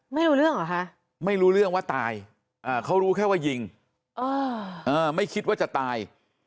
ไม่รู้เรื่องเหรอคะไม่รู้เรื่องว่าตายเขารู้แค่ว่ายิงไม่คิดว่าจะตาย